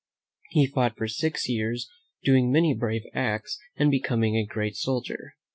He fought for six years, doing many brave acts and becoming a great soldier.